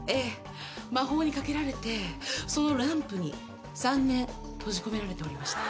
魔法にかけられてそのランプに３年閉じ込められておりました。